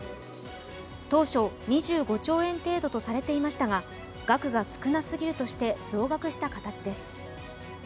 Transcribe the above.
当初２５兆円程度とされていましたが、額が少なすぎるとして増額した形です。